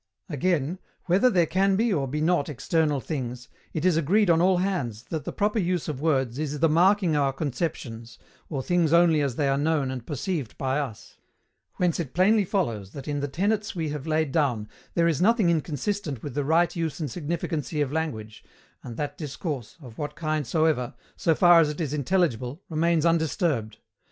Again, whether there can be or be not external things, it is agreed on all hands that the proper use of words is the marking our conceptions, or things only as they are known and perceived by us; whence it plainly follows that in the tenets we have laid down there is nothing inconsistent with the right use and significancy of language, and that discourse, of what kind soever, so far as it is intelligible, remains undisturbed.